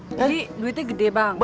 ini duitnya gede bang